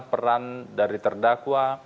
peran dari terdakwa